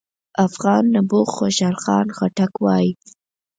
افغان نبوغ خوشحال خان خټک وايي: